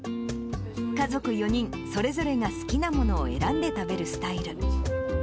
家族４人、それぞれが好きなものを選んで食べるスタイル。